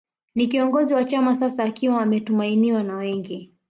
Ni kiongozi wa chama sasa akiwa ametumainiwa na wengi